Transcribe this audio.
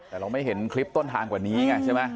แต่เราไม่เห็นคลิปต้นทางกว่านี้ไงใช่ไหม